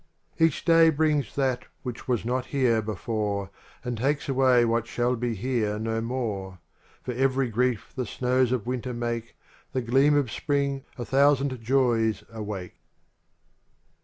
Each day brings that which was not here before And takes away what shall be here no more; For every grief the snows of winter make + The gleam of spring a thousand joys awake.